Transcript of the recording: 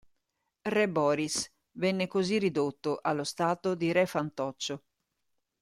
Re Boris venne così ridotto allo stato di re fantoccio.